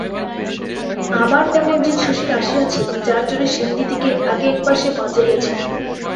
আবার তেমন জিদ শশীর আসিয়াছে যার জোরে সেনদিদিকে আগে একবার সে বাঁচাইয়াছিল।